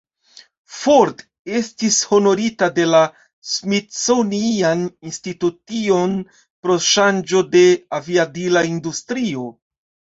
Ford estis honorita de la "Smithsonian Institution" pro ŝanĝo de la aviadila industrio.